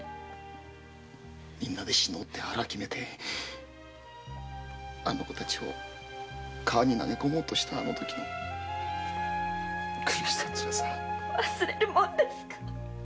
みんなで死のうって腹を決めてあの子たちを川へ投げ込もうとしたあの時のつらさ苦しさ忘れるもんですか。